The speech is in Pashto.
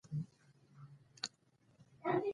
هغوی یوځای د ژور آرمان له لارې سفر پیل کړ.